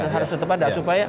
harus tetap ada